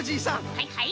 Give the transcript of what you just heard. はいはい。